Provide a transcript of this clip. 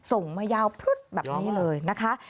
ส่งมายาวพลุดแบบนี้เลยนะคะ